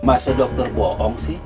masa dokter bohong sih